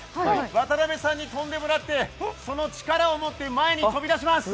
渡邊さんに跳んでもらってその力をもって前に飛び出します。